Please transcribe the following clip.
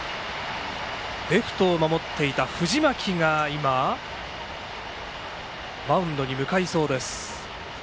レフトを守っていた藤巻がマウンドに向かいそうです。